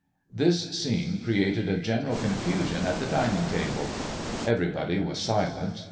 This scene created a general confusion at the dining table. Everybody was silent.